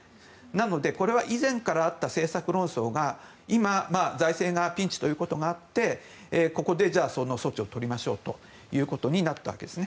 なので、これは以前からあった政策論争が今、財政がピンチということがあってここでその措置を取りましょうということになったわけです。